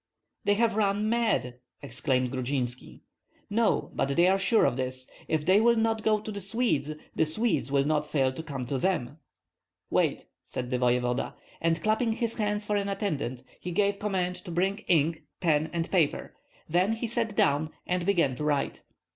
"They have run mad!" exclaimed Grudzinski. "No; but they are sure of this, if they will not go to the Swedes, the Swedes will not fail to come to them." "Wait!" said the voevoda. And clapping his hands for an attendant, he gave command to bring ink, pen, and paper; then he sat down and began to write.